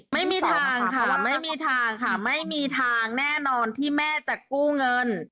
ไม่มีทางค่ะไม่มีทางค่ะไม่มีทางแน่นอนที่แม่จะกู้เงิน